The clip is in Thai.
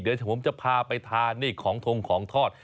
เดี๋ยวฉันผมจะพาไปทานของทรงของทอด